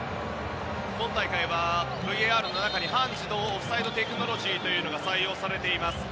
今大会はＶＡＲの中に半自動オフサイドテクノロジーが採用されています。